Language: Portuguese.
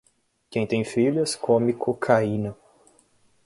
Quem tem filhas come cocaína.